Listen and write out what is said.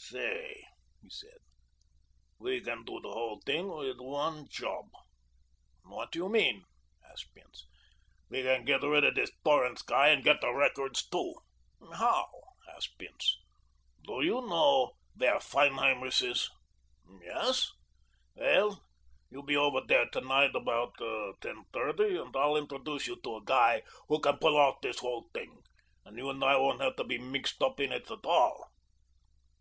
"Say," he said, "we can do the whole thing with one job." "What do you mean?" asked Bince, "We can get rid of this Torrance guy and get the records, too." "How?" asked Bince. "Do you know where Feinheimer's is?" "Yes." "Well, you be over there to night about ten thirty and I'll introduce you to a guy who can pull off this whole thing, and you and I won't have to be mixed up in it at all."